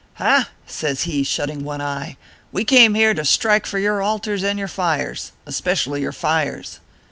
"Hah !" says he, shutting one eye, " we came here to strike for your altars and your fires especially your fires."